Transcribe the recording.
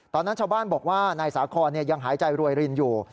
ตอนนั้นชาวบ้านบอกว่านายสาคอนยังหายใจรวยรินอยู่